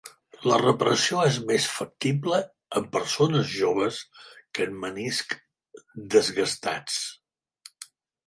La reparació és més factible en persones joves que en meniscs desgastats.